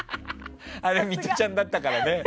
あれミトちゃんだったからね。